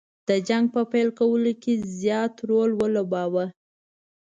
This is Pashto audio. د جنګ په پیل کولو کې زیات رول ولوباوه.